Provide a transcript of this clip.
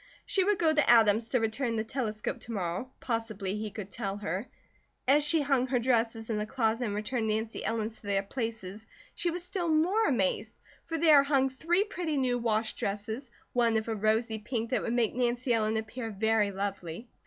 She would go to Adam's to return the telescope to morrow, possibly he could tell her. As she hung her dresses in the closet and returned Nancy Ellen's to their places she was still more amazed, for there hung three pretty new wash dresses, one of a rosy pink that would make Nancy Ellen appear very lovely.